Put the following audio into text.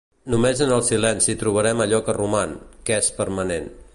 Només en el silenci trobem allò que roman, que és permanent.